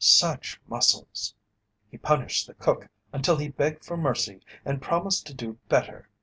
Such muscles! "He punished the cook until he begged for mercy and promised to do better.